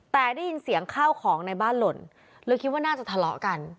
แต่ได้ยินเสียงข้าวของในบ้านหล่นเลยคิดว่าน่าจะทะเลาะกัน